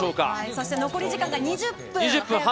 そして残り時間２０分。